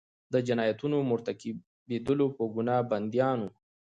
د جنایتونو مرتکبیدلو په ګناه بندیان وو.